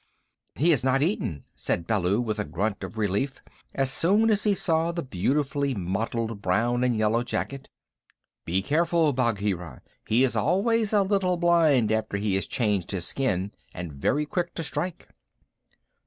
"He has not eaten," said Baloo, with a grunt of relief, as soon as he saw the beautifully mottled brown and yellow jacket. "Be careful, Bagheera! He is always a little blind after he has changed his skin, and very quick to strike."